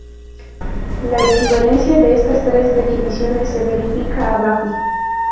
La equivalencia de estas tres definiciones se verifica abajo.